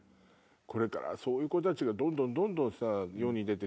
これからそういう子たちがどんどんどんどん世に出て。